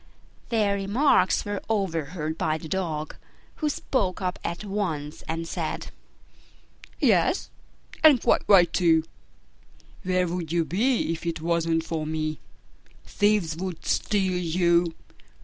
Their remarks were overheard by the Dog, who spoke up at once and said, "Yes, and quite right, too: where would you be if it wasn't for me? Thieves would steal you!